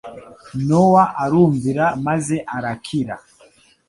Nowa arumvira maze arakira.